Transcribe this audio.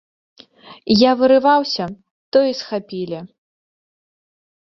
Я вырываўся, то і схапілі.